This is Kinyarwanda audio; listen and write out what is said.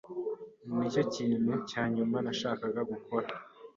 Nicyo kintu cya nyuma nashakaga gukora.